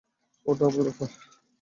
ওটা আমার ব্যাপার।